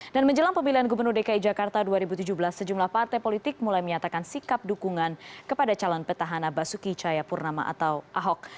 dan menjelang pemilihan gubernur dki jakarta dua ribu tujuh belas sejumlah partai politik mulai menyatakan sikap dukungan kepada calon petahana basuki caya purnama atau ahok